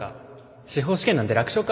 司法試験なんて楽勝か